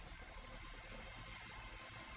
mau jadi kayak gini sih salah buat apa